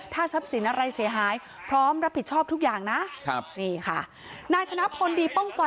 ท่าทรัพย์สินอะไรเสียหายพร้อมรับผิดชอบทุกอย่างนะ